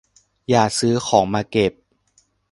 อย่าซื้อของมาเก็บ